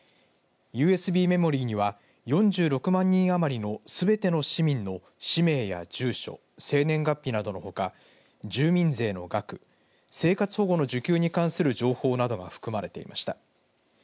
ＵＳＢメモリーには４６万人余りのすべての市民の氏名や住所、生年月日などのほか住民税の額、生活保護の受給に関する情報などが含まれていました。